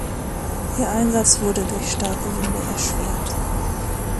Ihr Einsatz wurde durch starke Winde erschwert.